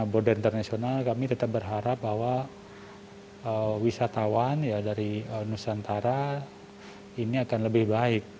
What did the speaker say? boder internasional kami tetap berharap bahwa wisatawan dari nusantara ini akan lebih baik